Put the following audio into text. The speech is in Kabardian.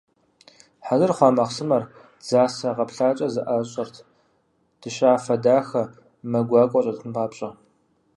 Хьэзыр хъуа махъсымэр дзасэ гъэплъакIэ зэIащIэрт, дыщафэ дахэ, мэ гуакIуэ щIэтын папщIэ.